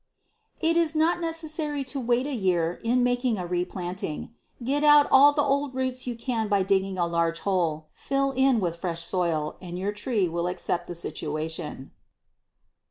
It is not necessary to wait a year in making a replanting. Get out all the old roots you can by digging a large hole, fill in with fresh soil, and your tree will accept the situation.